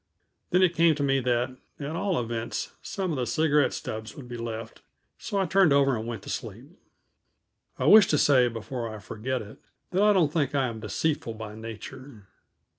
Then it came to me that, at all events, some of the cigarette stubs would be left; so I turned over and went to sleep. I wish to say, before I forget it, that I don't think I am deceitful by nature.